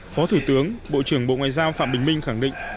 phó thủ tướng bộ trưởng bộ ngoại giao phạm bình minh khẳng định